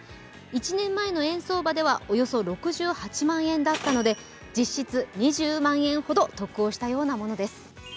１年前の円相場ではおよそ６８万円だったので実質２０万円ほど得をしたようなものです。